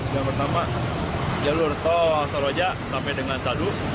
yang pertama jalur tol saroja sampai dengan sadu